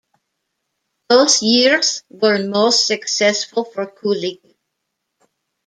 Those years were most successful for Kulig.